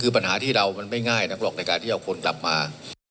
คือปัญหาที่เรามันไม่ง่ายนักหรอกในการที่จะเอาคนกลับมา